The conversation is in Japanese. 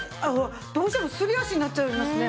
どうしてもすり足になっちゃいますね。